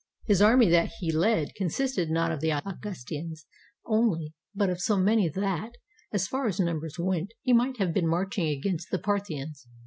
His army that he led consisted not of the Augustians only but of so many that, as far as numbers went, he might have been marching against the Parthians.